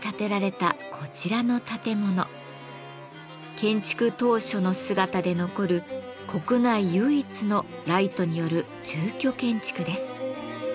建築当初の姿で残る国内唯一のライトによる住居建築です。